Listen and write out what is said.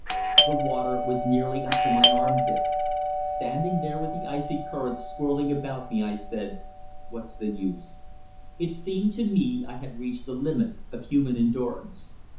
The water was nearly up to my armpits. Standing there with the icy current swirling about me, I said, "What's the use?" It seemed to me I had reached the limit of human endurance.